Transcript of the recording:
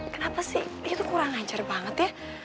kenapa sih dia tuh kurang ngajar banget ya